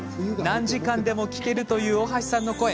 何時間でも聞けるという大橋さんの声。